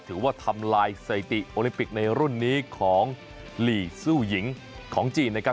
ถือว่าทำลายสถิติโอลิปิกในรุ่นนี้ของหลีซู่หญิงของจีนนะครับ